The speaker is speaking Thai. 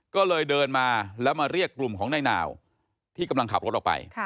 ก็เลยเดินมาแล้วมาเรียกกลุ่มของนายนาวที่กำลังขับรถออกไป